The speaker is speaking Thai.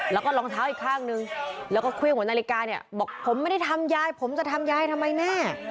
แล้วก็รองเท้าอีกข้างนึงแล้วก็เครื่องหัวนาฬิกาเนี่ยบอกผมไม่ได้ทำยายผมจะทำยายทำไมแม่